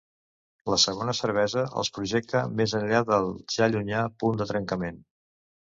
La segona cervesa els projecta més enllà del ja llunyà punt de trencament.